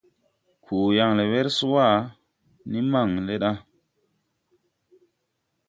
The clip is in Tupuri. Koo yaŋ le wer swaʼ. Ndi maŋn le ɗa.